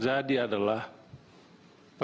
tapi tadi orangannya tidak lagi di pumpor